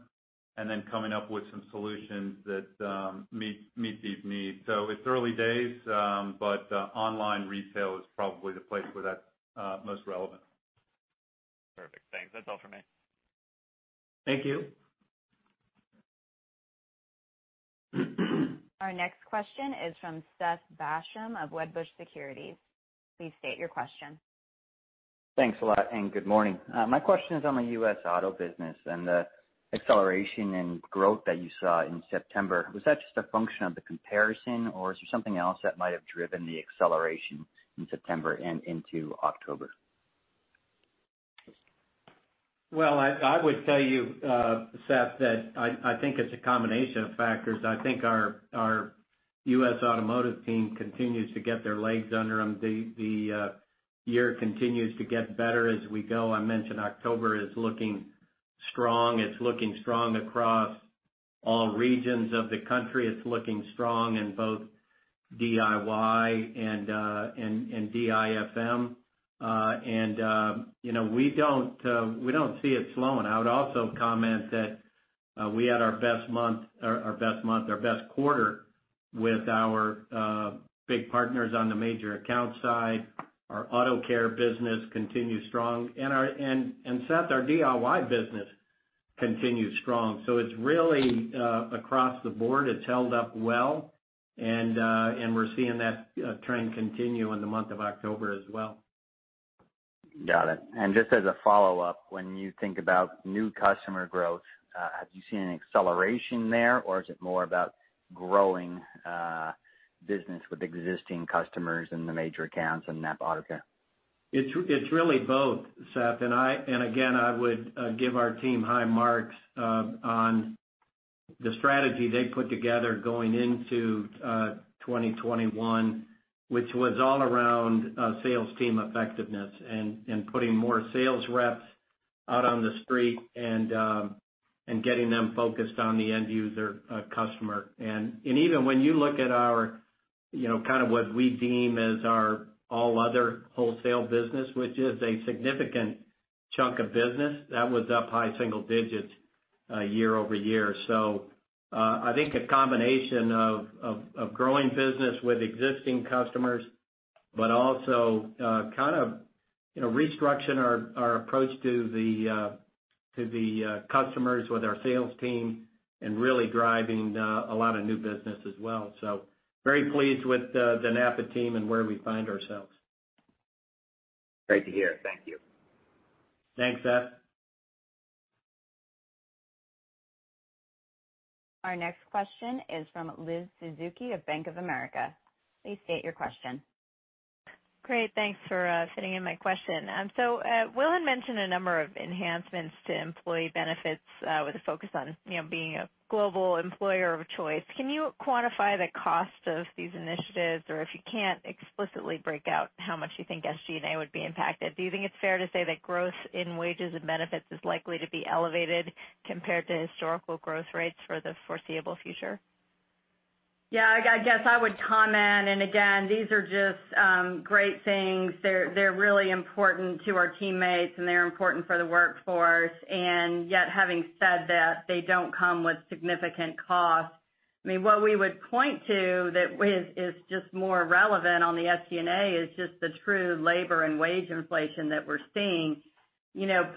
and then coming up with some solutions that meet these needs. It's early days, but online retail is probably the place where that's most relevant. Perfect. Thanks. That's all for me. Thank you. Our next question is from Seth Basham of Wedbush Securities. Please state your question. Thanks a lot, and good morning. My question is on the U.S. auto business and the acceleration in growth that you saw in September. Was that just a function of the comparison, or is there something else that might have driven the acceleration in September and into October? Well, I would tell you, Seth, that I think it's a combination of factors. I think our U.S. Automotive team continues to get their legs under them. The year continues to get better as we go. I mentioned October is looking strong. It's looking strong across all regions of the country. It's looking strong in both DIY and DIFM. We don't see it slowing. I would also comment that we had our best quarter with our big partners on the major account side. Our AutoCare business continues strong. Seth, our DIY business continues strong. It's really across the board. It's held up well, and we're seeing that trend continue in the month of October as well. Got it. Just as a follow-up, when you think about new customer growth, have you seen an acceleration there, or is it more about growing business with existing customers in the major accounts and NAPA AutoCare? It's really both, Seth. Again, I would give our team high marks on the strategy they put together going into 2021, which was all around sales team effectiveness and putting more sales reps out on the street and getting them focused on the end user customer. Even when you look at kind of what we deem as our all other wholesale business, which is a significant chunk of business, that was up high single digits year-over-year. I think a combination of growing business with existing customers, but also kind of restructuring our approach to the customers with our sales team and really driving a lot of new business as well. Very pleased with the NAPA team and where we find ourselves. Great to hear. Thank you. Thanks, Seth. Our next question is from Liz Suzuki of Bank of America. Please state your question. Great, thanks for fitting in my question. Will had mentioned a number of enhancements to employee benefits with a focus on being a global employer of choice. Can you quantify the cost of these initiatives, or if you can't explicitly break out how much you think SG&A would be impacted, do you think it's fair to say that growth in wages and benefits is likely to be elevated compared to historical growth rates for the foreseeable future? Yeah, I guess I would comment, again, these are just great things. They're really important to our teammates, they're important for the workforce. Yet, having said that, they don't come with significant cost. I mean, what we would point to that is just more relevant on the SG&A is just the true labor and wage inflation that we're seeing.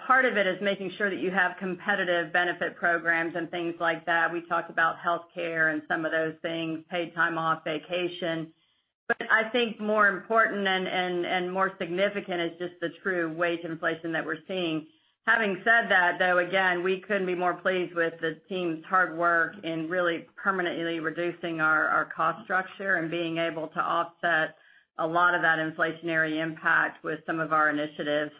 Part of it is making sure that you have competitive benefit programs and things like that. We talked about healthcare and some of those things, paid time off, vacation. I think more important and more significant is just the true wage inflation that we're seeing. Having said that, though, again, we couldn't be more pleased with the team's hard work in really permanently reducing our cost structure and being able to offset a lot of that inflationary impact with some of our initiatives.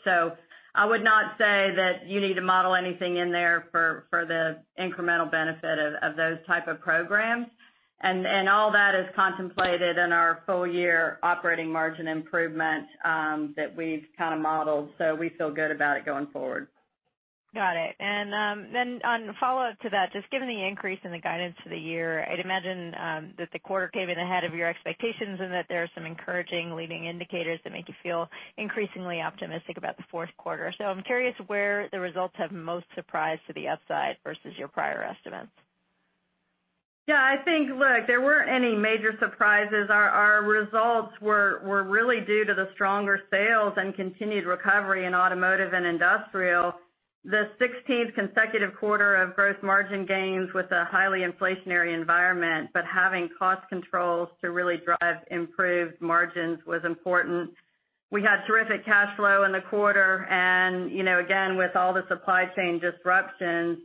I would not say that you need to model anything in there for the incremental benefit of those type of programs. All that is contemplated in our full-year operating margin improvement that we've kind of modeled. We feel good about it going forward. Got it. On follow-up to that, just given the increase in the guidance for the year, I'd imagine that the quarter came in ahead of your expectations and that there are some encouraging leading indicators that make you feel increasingly optimistic about the fourth quarter. I'm curious where the results have most surprised to the upside versus your prior estimates. Yeah, I think, look, there weren't any major surprises. Our results were really due to the stronger sales and continued recovery in automotive and industrial. The 16th consecutive quarter of gross margin gains with a highly inflationary environment, but having cost controls to really drive improved margins was important. We had terrific cash flow in the quarter and again, with all the supply chain disruptions.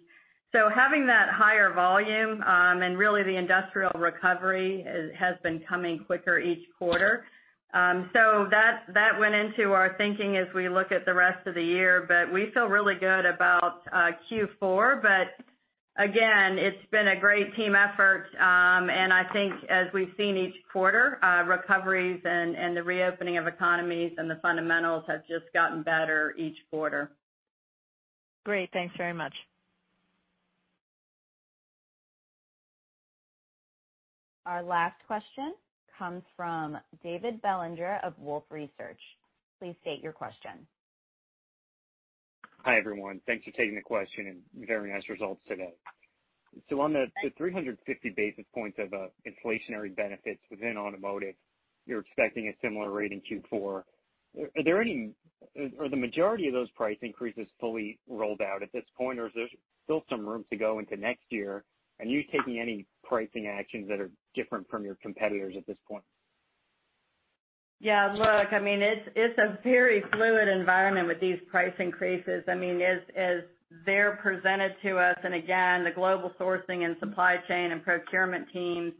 Having that higher volume, and really the industrial recovery has been coming quicker each quarter. That went into our thinking as we look at the rest of the year. We feel really good about Q4. Again, it's been a great team effort. I think as we've seen each quarter, recoveries and the reopening of economies and the fundamentals have just gotten better each quarter. Great. Thanks very much. Our last question comes from David Bellinger of Wolfe Research. Please state your question. Hi, everyone. Thanks for taking the question, very nice results today. On the 350 basis points of inflationary benefits within automotive, you're expecting a similar rate in Q4. Are the majority of those price increases fully rolled out at this point, or is there still some room to go into next year? Are you taking any pricing actions that are different from your competitors at this point? Yeah, look, it's a very fluid environment with these price increases as they're presented to us. Again, the global sourcing and supply chain and procurement teams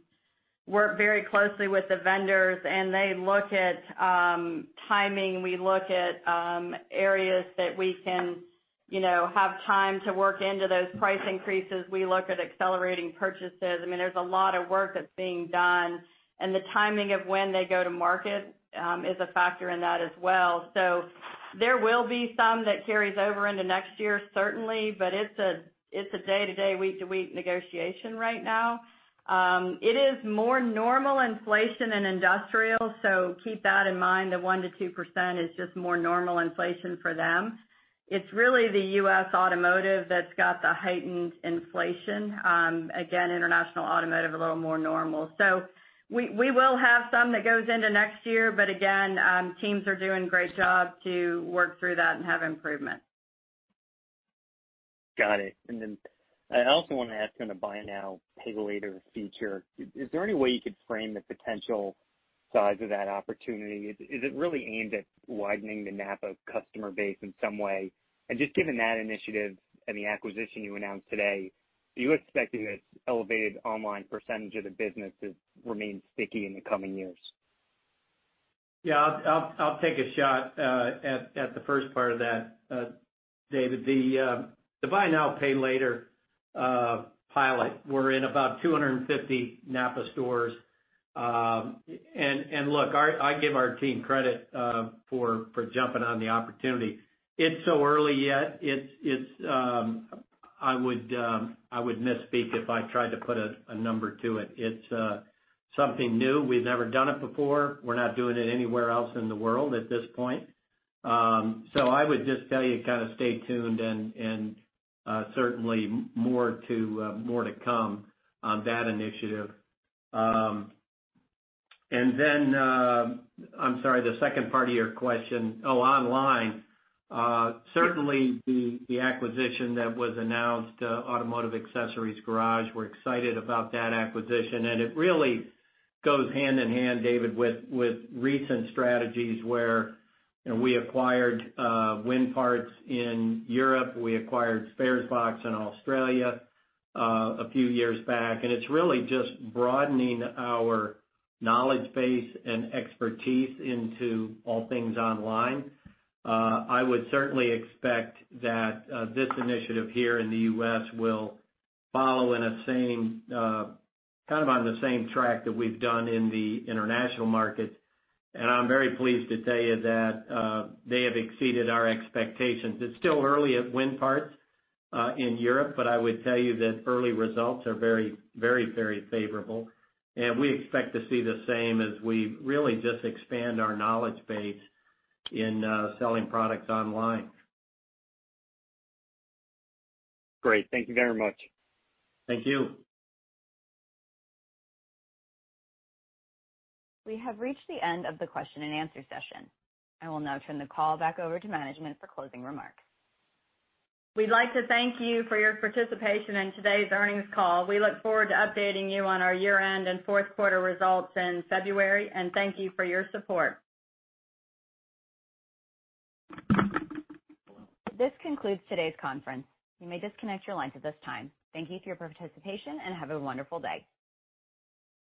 work very closely with the vendors, and they look at timing. We look at areas that we can have time to work into those price increases. We look at accelerating purchases. There's a lot of work that's being done, and the timing of when they go to market is a factor in that as well. There will be some that carries over into next year, certainly. It's a day-to-day, week-to-week negotiation right now. It is more normal inflation in industrial. Keep that in mind. The 1%-2% is just more normal inflation for them. It's really the U.S. Automotive that's got the heightened inflation. Again, international automotive, a little more normal. We will have some that goes into next year, but again, teams are doing a great job to work through that and have improvement. Got it. I also want to ask on the buy now, pay later feature, is there any way you could frame the potential size of that opportunity? Is it really aimed at widening the NAPA customer base in some way? Just given that initiative and the acquisition you announced today, are you expecting this elevated online percentage of the business to remain sticky in the coming years? Yeah, I'll take a shot at the first part of that, David. The buy now, pay later pilot, we're in about 250 NAPA stores. Look, I give our team credit for jumping on the opportunity. It's so early yet. I would misspeak if I tried to put a number to it. It's something new. We've never done it before. We're not doing it anywhere else in the world at this point. I would just tell you, kind of stay tuned and certainly more to come on that initiative. I'm sorry, the second part of your question. Oh, online. Certainly the acquisition that was announced, Auto Accessories Garage, we're excited about that acquisition. It really goes hand in hand, David, with recent strategies where we acquired Winparts in Europe, we acquired Sparesbox in Australia a few years back, and it's really just broadening our knowledge base and expertise into all things online. I would certainly expect that this initiative here in the U.S. will follow kind of on the same track that we've done in the international markets, and I'm very pleased to tell you that they have exceeded our expectations. It's still early at Winparts in Europe, but I would tell you that early results are very favorable. We expect to see the same as we really just expand our knowledge base in selling products online. Great. Thank you very much. Thank you. We have reached the end of the question and answer session. I will now turn the call back over to management for closing remarks. We'd like to thank you for your participation in today's earnings call. We look forward to updating you on our year-end and fourth quarter results in February, and thank you for your support. This concludes today's conference. You may disconnect your lines at this time. Thank you for your participation, and have a wonderful day.